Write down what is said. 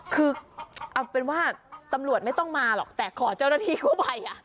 คือเอาเป็นว่าตำรวจไม่ต้องมาหรอกแต่ขอเจ้าหน้าที่กู้ภัย